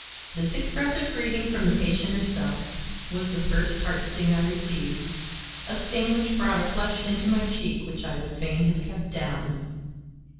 This expressive greeting, from the patient herself, was the first heart sting I received,—a sting which brought a flush into my cheek which I would fain have kept down.